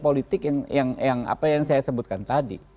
politik yang saya sebutkan tadi